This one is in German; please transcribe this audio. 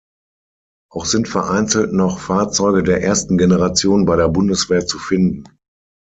Auch sind vereinzelt noch Fahrzeuge der ersten Generation bei der Bundeswehr zu finden.